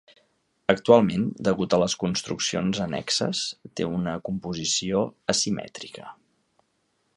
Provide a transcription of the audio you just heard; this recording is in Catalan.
Actualment degut a les construccions annexes té una composició asimètrica.